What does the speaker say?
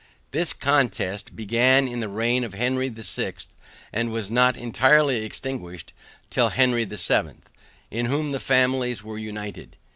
This contest began in the reign of Henry the Sixth, and was not entirely extinguished till Henry the Seventh, in whom the families were united.